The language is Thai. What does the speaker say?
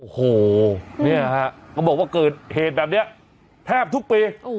โอ้โหเนี่ยฮะเขาบอกว่าเกิดเหตุแบบนี้แทบทุกปี